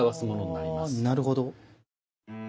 なるほど。